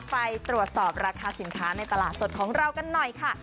ไปตรวจสอบราคาสินค้าในตลาดสดของเรากันหน่อยค่ะ